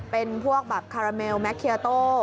เป็นพวกแบบคาราเมลแมคเทียโต้